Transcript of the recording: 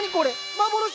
幻？